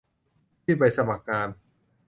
ยื่นใบสมัครงาน